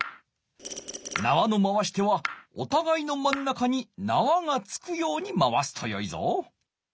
なわの回し手はおたがいの真ん中になわが着くように回すとよいぞ。